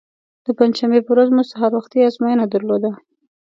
د پنجشنبې په ورځ مو سهار وختي ازموینه درلوده.